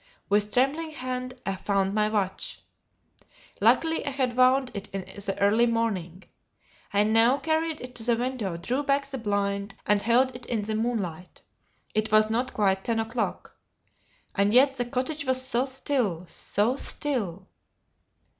With trembling hand I found my watch. Luckily I had wound it in the early morning. I now carried it to the window, drew back the blind, and held it in the moonlight. It was not quite ten o'clock. And yet the cottage was so still so still.